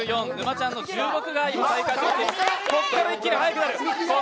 ここから一気に速くなる。